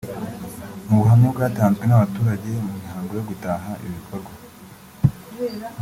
Mu buhamya bwatanzwe n’abaturage mu mihango yo gutaha ibi bikorwa